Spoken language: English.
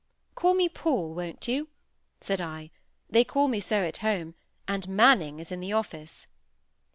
"Call me Paul, will you?" said I; "they call me so at home, and Manning in the office."